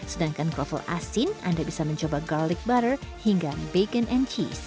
sedangkan kroffel asin anda bisa mencoba garlic butter hingga bacon and cheese